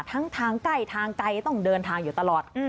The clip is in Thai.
ทั้งทางใกล้ทางไกลต้องเดินทางอยู่ตลอด